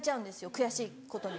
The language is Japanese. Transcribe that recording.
悔しいことに。